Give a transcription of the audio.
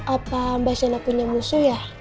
apa mbak sina punya musuh ya